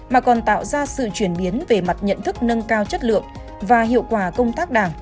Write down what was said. mà còn tạo ra sự chuyển biến về mặt nhận thức nâng cao chất lượng và hiệu quả công tác đảng